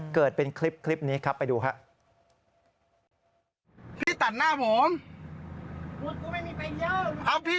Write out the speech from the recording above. เกิดเป็นคลิปนี้ครับไปดูครับ